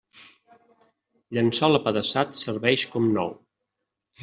Llençol apedaçat serveix com nou.